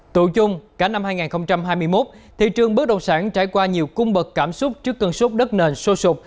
tụi chung cả năm hai nghìn hai mươi một thị trường bất động sản trải qua nhiều cung bậc cảm xúc trước cân sốt đất nền sô sụt